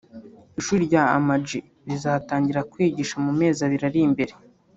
Ishuri rya Ama-G rizatangira kwigisha mu mezi abiri ari imbere